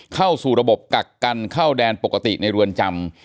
เข้าสู่ระบบกักกันเข้าแดนปกติในเรือนจำ